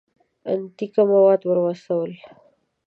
انتیک مواد ور واستول.